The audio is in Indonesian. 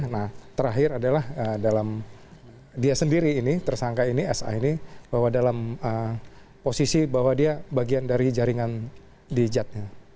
nah terakhir adalah dalam dia sendiri ini tersangka ini sa ini bahwa dalam posisi bahwa dia bagian dari jaringan di jadnya